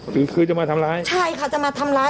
ถือคือจะมาทำร้ายใช่ค่ะจะมาทำร้าย